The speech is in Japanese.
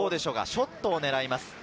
ショットを狙います。